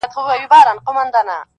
لكه د دوو جنـــــــگ.